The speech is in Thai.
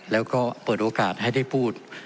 แล้วก็เปิดโอกาสให้ได้พูด